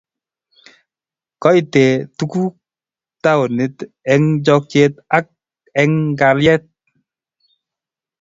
Koitei tukuk taonit eng chokchet ak eng kalyet